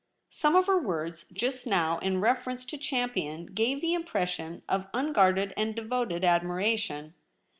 Some of her words just now in reference to Champion gave the impression of unguarded and devoted admiration.